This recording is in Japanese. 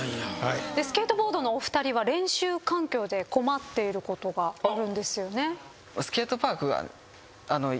スケートボードのお二人は練習環境で困っていることがあるんですよね？